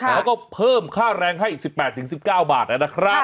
เขาก็เพิ่มค่าแรงให้๑๘๑๙บาทแล้วนะครับ